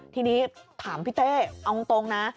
ทีนี้ถามพี่เต้เอาตรงนะ